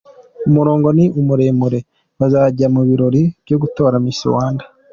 Umurongo ni muremure mu bazajya mu birori byo gutora Miss Rwanda.